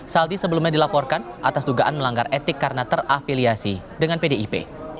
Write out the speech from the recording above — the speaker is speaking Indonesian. saldi sebelumnya dilaporkan atas dugaan melanggar etik karena terafiliasi dengan pdip